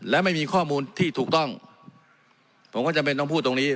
และไม่มีข้อมูลที่ถูกต้องผมก็จำเป็นต้องพูดตรงนี้